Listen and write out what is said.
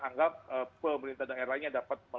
anggap pemerintah daerahnya dapat